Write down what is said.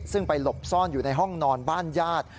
ซึ่งไปหลบซ่อนอยู่ในห้องนอนบ้านญาติ